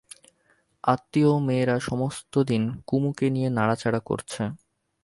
আত্মীয়-মেয়েরা সমস্তদিন কুমুকে নিয়ে নাড়াচাড়া করছে।